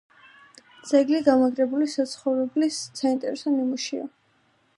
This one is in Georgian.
ძეგლი გამაგრებული საცხოვრებლის საინტერესო ნიმუშია.